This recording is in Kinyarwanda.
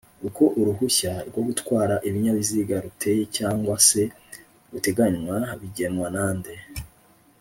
uko Uruhushya rwo gutwara Ibinyabiziga ruteye cg se ruteganywa bigenwa nande